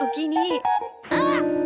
あっ！